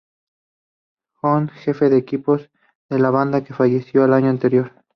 Jones, jefe del equipo de la banda que falleció el año anterior.